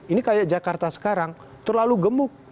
ini kayak jakarta sekarang terlalu gemuk